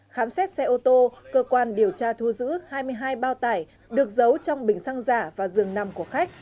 khám xét xe ô tô cơ quan điều tra thu giữ hai mươi hai bao tải được giấu trong bình xăng giả và rừng nằm của khách